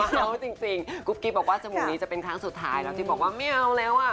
เอาจริงกุ๊บกิ๊บบอกว่าจมูกนี้จะเป็นครั้งสุดท้ายแล้วที่บอกว่าไม่เอาแล้วอ่ะ